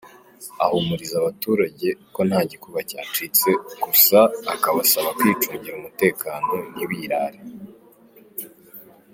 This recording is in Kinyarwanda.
Ahumuriza abaturage ko nta gikuba cyacitse, gusa akabasaba kwicungira umutekano ntibirare.